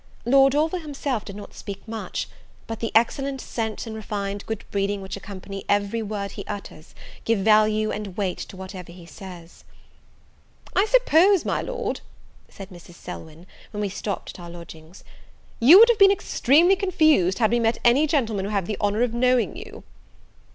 Lord Orville himself did not speak much; but the excellent sense and refined good breeding which accompany every word he utters, give value and weight to whatever he says. "I suppose, my Lord," said Mrs. Selwyn, when we stopped at our lodgings, "you would have been extremely confused had we met any gentlemen who have the honour of knowing you."